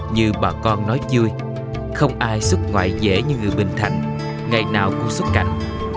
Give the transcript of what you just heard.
như bà con nói chui không ai xuất ngoại dễ như người bình thạnh ngày nào cũng xuất cảnh